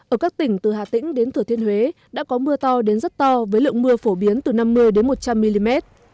ở các tỉnh từ hà tĩnh đến thửa thiên huế đã có mưa to đến rất to với lượng mưa phổ biến từ năm mươi một trăm linh mm